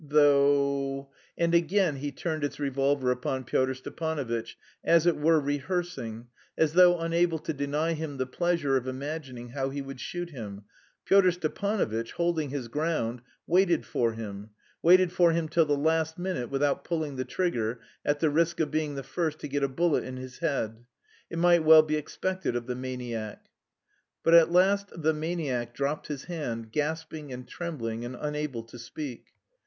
though..." And again he turned his revolver upon Pyotr Stepanovitch, as it were rehearsing, as though unable to deny himself the pleasure of imagining how he would shoot him. Pyotr Stepanovitch, holding his ground, waited for him, waited for him till the last minute without pulling the trigger, at the risk of being the first to get a bullet in his head: it might well be expected of "the maniac." But at last "the maniac" dropped his hand, gasping and trembling and unable to speak.